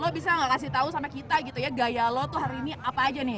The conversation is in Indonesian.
lo bisa gak kasih tau sama kita gitu ya gaya lo tuh hari ini apa aja nih